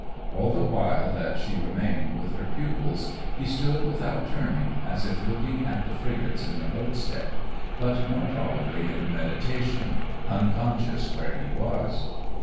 All the while that she remained with her pupils he stood without turning, as if looking at the frigates in the roadstead, but more probably in meditation, unconscious where he was.